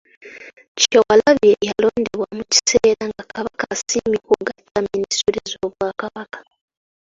Kyewalabye yalondebwa mu kiseera nga Kabaka asiimye okugatta minisitule z'Obwakabaka.